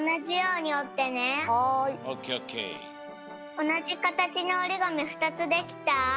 おなじかたちのおりがみ２つできた？